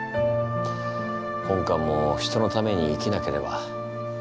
本官も人のために生きなければ。